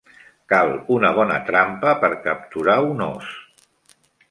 Cal una bona trampa per capturar un os.